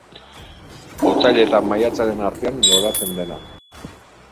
Otsail eta maiatzaren artean loratzen dena.